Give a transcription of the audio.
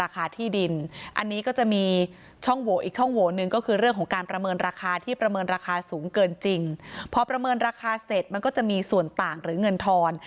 ก็จะส่งเจ้าหน้าที่มาประเมินราคาที่ดิน